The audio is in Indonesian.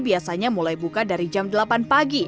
biasanya mulai buka dari jam delapan pagi